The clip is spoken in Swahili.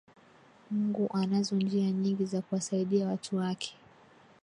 mungu anazo njia nyingi za kuwasaidia watu wake